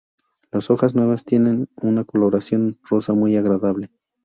Las hojas nuevas tienen una coloración rosa muy agradable.